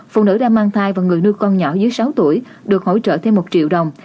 phụ nữ đã mang thai và người nuôi con nhỏ dưới sáu tuổi được hỗ trợ thêm một triệu đồng